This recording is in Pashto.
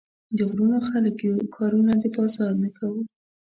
د غرونو خلک يو، کارونه د بازار نۀ کوو